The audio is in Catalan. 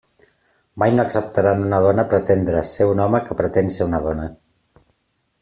Mai no acceptaran una dona pretendre ser un home que pretén ser una dona!